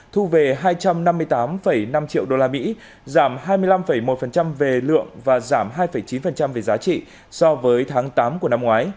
thu về hai trăm năm mươi tám năm triệu đô la mỹ giảm hai mươi năm một về lượng và giảm hai chín